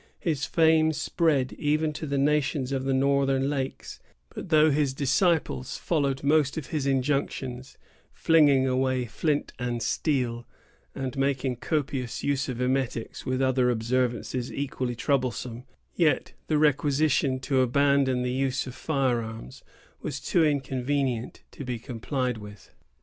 His fame spread even to the nations of the northern lakes; but though his disciples followed most of his injunctions, flinging away flint and steel, and making copious use of emetics, with other observances equally troublesome, yet the requisition to abandon the use of fire arms was too inconvenient to be complied with.